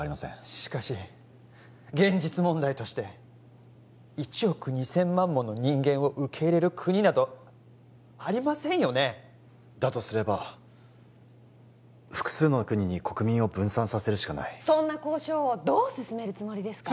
しかし現実問題として１億２千万もの人間を受け入れる国などありませんよねだとすれば複数の国に国民を分散させるしかないそんな交渉をどう進めるつもりですか？